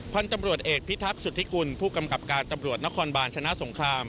พันธุ์ตำรวจเอกพิทักษุธิกุลผู้กำกับการตำรวจนครบาลชนะสงคราม